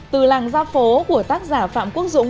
từ làng gia phố của tác giả phạm quốc dũng